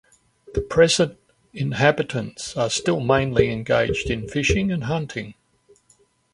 The present inhabitants are still mainly engaged in fishing and hunting.